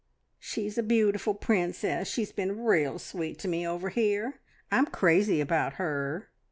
"She's a beautiful princess. She's been real sweet to me over here. I'm crazy about her!"